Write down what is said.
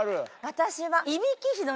私は。